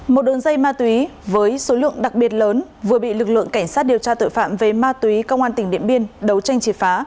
một đường dây ma túy với số lượng đặc biệt lớn vừa bị lực lượng cảnh sát điều tra tội phạm về ma túy công an tỉnh điện biên đấu tranh triệt phá